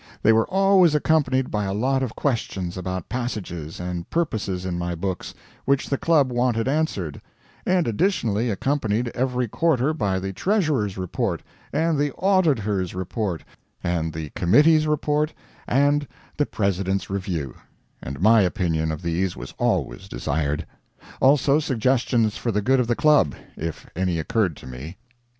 They were always accompanied by a lot of questions about passages and purposes in my books, which the Club wanted answered; and additionally accompanied every quarter by the Treasurer's report, and the Auditor's report, and the Committee's report, and the President's review, and my opinion of these was always desired; also suggestions for the good of the Club, if any occurred to me.